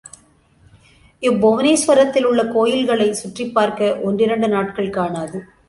இப்புவனேஸ்வரத்தில் உள்ள கோயில்களைச் சுற்றிப் பார்க்க ஒன்றிரண்டு நாட்கள் காணாது.